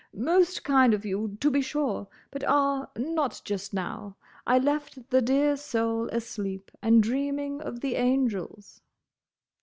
"Most kind of you, to be sure; but—ah—not just now. I left the dear soul asleep, and dreaming of the angels."